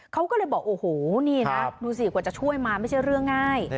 เขาก็เลยบอกโอ้โหนี่นะดูสิกว่าจะช่วยมาไม่ใช่เรื่องง่าย